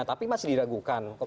tapi masih diragukan